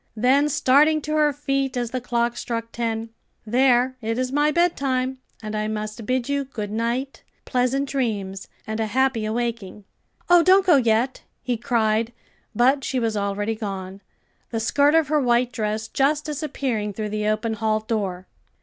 Then starting to her feet as the clock struck ten "There, it is my bed time, and I must bid you good night, pleasant dreams, and a happy awaking." "Oh, don't go yet!" he cried, but she was already gone, the skirt of her white dress just disappearing through the open hall door.